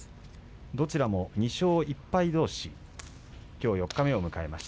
どちらも２勝１敗どうし。